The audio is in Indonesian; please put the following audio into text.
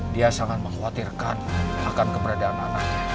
dia sangat mengkhawatirkan akan keberadaan anak